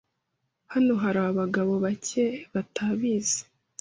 Hano hari abagabo bake batabizi.